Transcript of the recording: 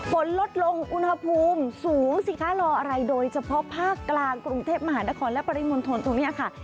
ฝนลดลงอุณหภูมิสูงสิคะรออะไรโดยเฉพาะภาคกลางกรุงเทพมหานครและปริมณฑลตรงนี้ค่ะ